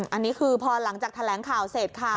อันนี้คือพอหลังจากแถลงข่าวเสร็จค่ะ